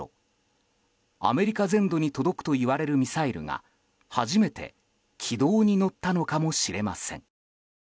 アメリカ全土に届くといわれるミサイルが初めて軌道に乗ったのかもしれません。